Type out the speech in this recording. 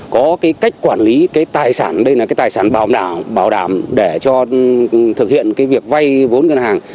có cái cách quản lý cái tài sản đây là cái tài sản bảo đảm để cho thực hiện cái việc vay vốn ngân hàng